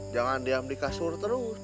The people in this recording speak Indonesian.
jangan diam di kasur terus